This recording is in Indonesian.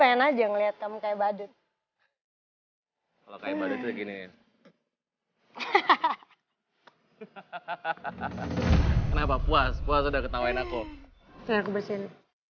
hai kalau kayak gini hahaha hahaha kenapa puas puas udah ketawain aku aku besin